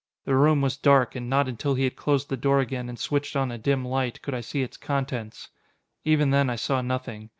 The room was dark, and not until he had closed the door again and switched on a dim light, could I see its contents. Even then I saw nothing.